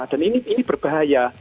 dan ini berbahaya